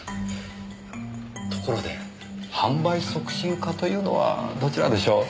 ところで販売促進課というのはどちらでしょう？